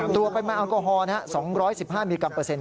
ตัวไปมาอัลกอฮอลนะฮะ๒๑๕มีกรัมเปอร์เซ็นต์